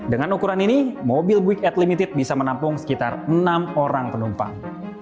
dengan ukuran ini mobil big ad limited bisa menampung sekitar enam orang penumpang